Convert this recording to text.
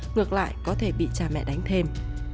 ngược lại có thể bị cha mẹ đánh thêm